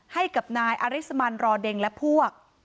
ให้กับนายอริสมันรอเด็งและพวก